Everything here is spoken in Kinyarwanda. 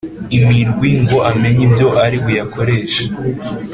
imirwi ngo amenye ibyo aribuyakoreshe.